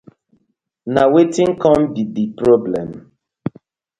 Na wetin com bi di problem.